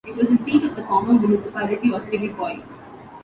It was the seat of the former municipality of Filippoi.